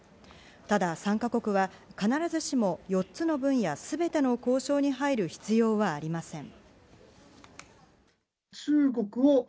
ただ、参加国は必ずしも４つの分野すべての交渉に入る必要はありません。